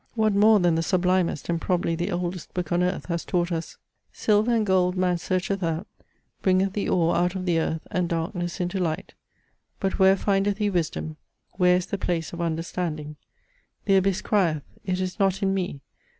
What more than the sublimest, and probably the oldest, book on earth has taught us, Silver and gold man searcheth out: Bringeth the ore out of the earth, and darkness into light. But where findeth he wisdom? Where is the place of understanding? The abyss crieth; it is not in me!